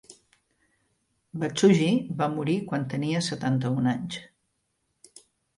Watsuji va morir quan tenia setanta-un anys.